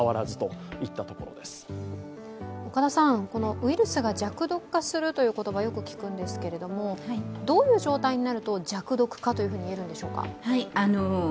ウイルスが弱毒化するという言葉をよく聞くんですが、どういう状態になると弱毒化と言えるんでしょうか？